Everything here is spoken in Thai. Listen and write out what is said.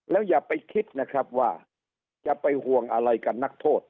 แล้วอย่าไปคิดนะครับว่าจะไปห่วงอะไรกับนักโทษ